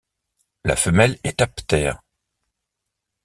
La femelle est aptère.